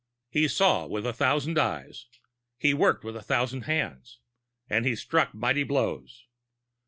He saw with a thousand eyes. He worked with a thousand hands. And he struck mighty blows.